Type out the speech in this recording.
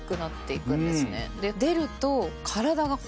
出ると。